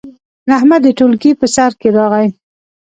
احمد د ټولګي په سر کې راغی.